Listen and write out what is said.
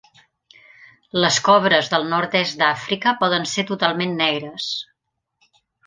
Les cobres del nord-oest d'Àfrica poden ser totalment negres.